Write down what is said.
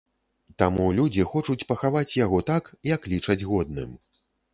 Таму людзі хочуць пахаваць яго так, як лічаць годным.